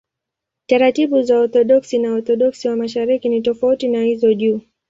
Taratibu za Waorthodoksi na Waorthodoksi wa Mashariki ni tofauti na hizo juu.